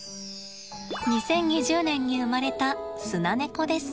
２０２０年に生まれたスナネコです。